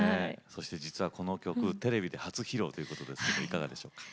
そして実はこの曲テレビで初披露ということですけどいかがでしょうか。